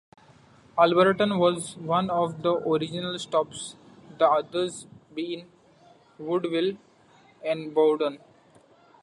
Alberton was one of the original stops, the others being Woodville and Bowden.